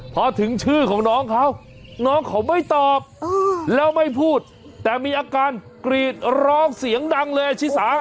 พอถึงชื่อของน้องเขาน้องเขาไม่ตอบแล้วไม่พูดแต่มีอาการกรีดร้องเสียงดังเลยชิสา